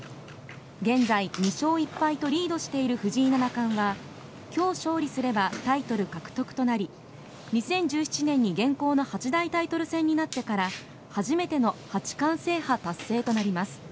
現在２勝１敗とリードしている藤井七冠は今日勝利すればタイトル獲得となり２０１７年に現行の八大タイトル戦になってから初めての八冠制覇達成となります。